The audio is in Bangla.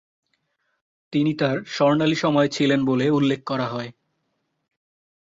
তিনি তার স্বর্ণালী সময়ে ছিলেন বলে উল্লেখ করা হয়।